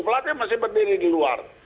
pelatih masih berdiri di luar